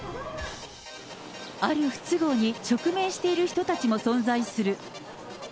ある不都合に直面している人たちも存在する。